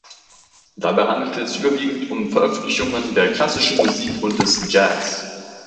Dabei handelte es sich überwiegend um Veröffentlichungen der klassischen Musik und des Jazz.